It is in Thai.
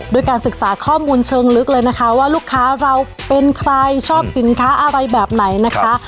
ด้วยการศึกษาข้อมูลเชิงลึกเลยนะคะว่าลูกค้าเราเป็นใครชอบสินค้าอะไรแบบไหนนะคะ